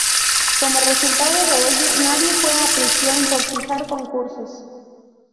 Como resultado de ello, nadie fue a prisión por fijar concursos.